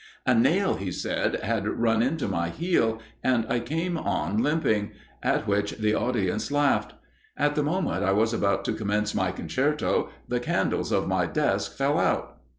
"A nail," he said, "had run into my heel, and I came on limping, at which the audience laughed. At the moment I was about to commence my concerto, the candles of my desk fell out.